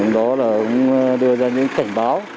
đó là cũng đưa ra những cảnh báo